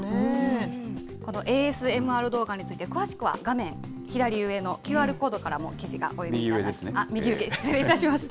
このＡＳＭＲ動画について、詳しくは画面左上のＱＲコードからも記事がお読みいただけます。